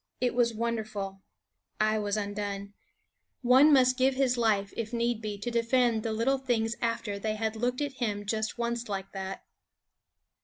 It was wonderful; I was undone. One must give his life, if need be, to defend the little things after they had looked at him just once like that.